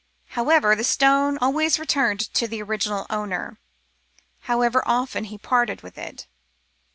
However, the stone always returned to the original owner, however often he parted with it.